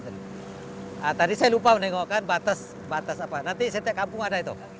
nah tadi saya lupa menengokkan batas apa nanti setiap kampung ada itu